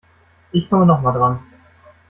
Ich komme noch mal dran.